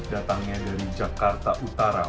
datangnya dari jakarta utara